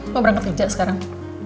mau berangkat kerja sekarang